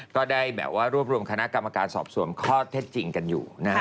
ก็ได้รวบรวมคณะกรรมการสอบสวนข้อเท็จจริงกันอยู่